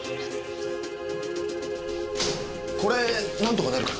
これなんとかなるかな？